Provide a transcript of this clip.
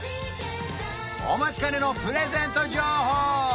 お待ちかねのプレゼント情報